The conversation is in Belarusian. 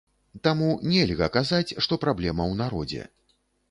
Таму нельга казаць, што праблема ў народзе.